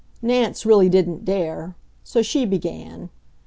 Nance really didn't dare. So she began.